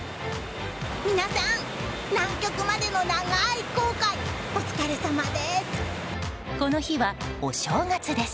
皆さん、南極までの長い航海お疲れさまです！